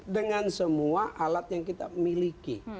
dengan semua alat yang kita miliki